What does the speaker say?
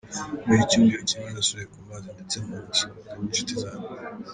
Nyuma y;icyumweru kimwe nasubiye ku mazi ndetse nkanasohoka n’incuti zanjye.